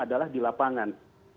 adalah di lapangan